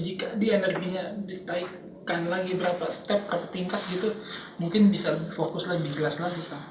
jika di energinya ditaikkan lagi berapa step ke tingkat gitu mungkin bisa fokus lebih jelas lagi